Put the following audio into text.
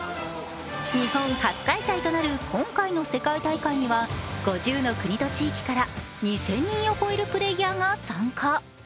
日本発開催となる今回の世界大会には５０の国と地域から２０００人を超えるプレーヤーが参加。